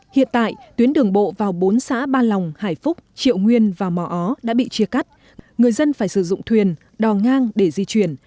hiện tại tuyến đường bộ vào bốn xã ba lòng hải phúc triệu nguyên và mò ó đã bị chia cắt người dân phải sử dụng thuyền đò ngang để di chuyển